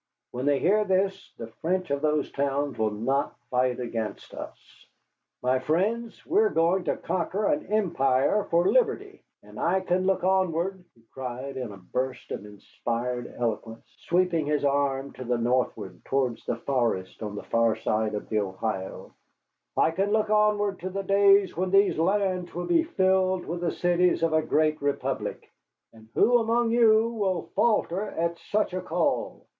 When they hear this, the French of those towns will not fight against us. My friends, we are going to conquer an empire for liberty, and I can look onward," he cried in a burst of inspired eloquence, sweeping his arm to the northward toward the forests on the far side of the Ohio, "I can look onward to the day when these lands will be filled with the cities of a Great Republic. And who among you will falter at such a call?"